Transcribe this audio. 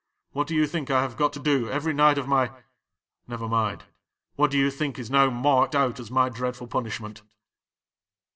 What do you think I have got to do every night of my — never mind — what do you think is now marked out as my dreadful punishment